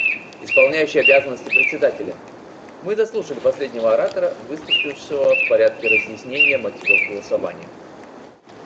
Исполняющий обязанности Председателя: Мы заслушали последнего оратора, выступившего в порядке разъяснения мотивов голосования.